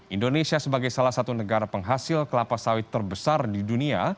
indonesia sebagai salah satu negara penghasil kelapa sawit terbesar di dunia